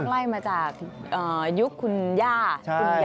เพราะฉะนั้นต้องไล่มาจากยุคคุณย่าคุณยาย